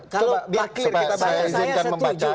kalau akhir kita baca